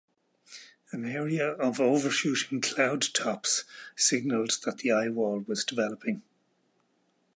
An area of overshooting cloud tops signaled that the eyewall was developing.